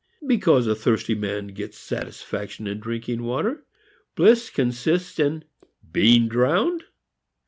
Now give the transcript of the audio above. Because a thirsty man gets satisfaction in drinking water, bliss consists in being drowned.